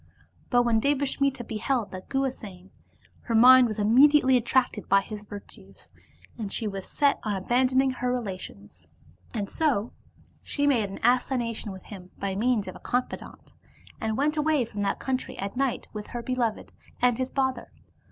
But when Devasmita beheld that Guhasena, her mind was immediately attracted by his virtues, and she was set on abandoning her relations, and so she made an 83 Oriental Mystery Stories assignation with him by means of a confidante, and went away from that country at night with her beloved and his father.